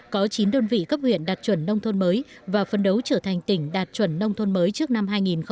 có chín đơn vị cấp huyện đạt chuẩn nông thôn mới và phấn đấu trở thành tỉnh đạt chuẩn nông thôn mới trước năm hai nghìn ba mươi năm